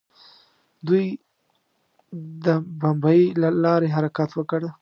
دوی د بمیي له لارې حرکت وکړ.